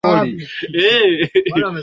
waziri osborn amejitetea watahakikisha